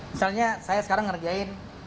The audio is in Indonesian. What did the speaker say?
misalnya saya sekarang ngerjain